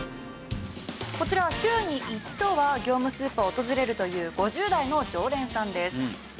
こちらは週に１度は業務スーパーを訪れるという５０代の常連さんです。